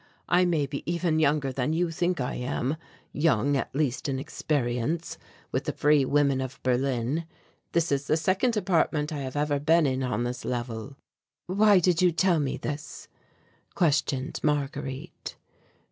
I may be even younger than you think I am, young at least in experience with the free women of Berlin. This is the second apartment I have ever been in on this level." "Why do you tell me this?" questioned Marguerite.